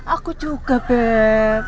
aku juga tyrah